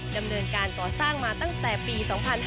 ดำเนินการก่อสร้างมาตั้งแต่ปี๒๕๕๙